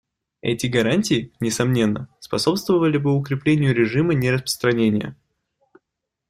Эти гарантии, несомненно, способствовали бы укреплению режима нераспространения.